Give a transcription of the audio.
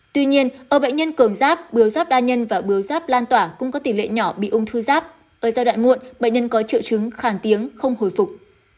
tuy nhiên ở bệnh nhân cường giáp bướu giáp đa nhân và bứa giáp lan tỏa cũng có tỷ lệ nhỏ bị ung thư giáp ở giai đoạn muộn bệnh nhân có triệu chứng khàn tiếng không hồi phục